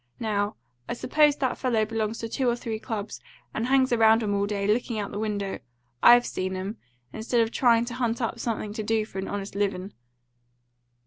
Now, I suppose that fellow belongs to two or three clubs, and hangs around 'em all day, lookin' out the window, I've seen 'em, instead of tryin' to hunt up something to do for an honest livin'."